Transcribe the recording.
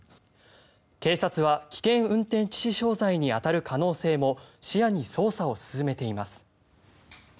警察は危険運転致死傷罪に当たる可能性も視野に捜査を進めています。